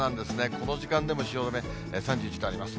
この時間でも汐留、３１度あります。